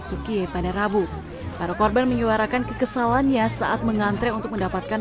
tukie pada rabu para korban menyuarakan kekesalannya saat mengantre untuk mendapatkan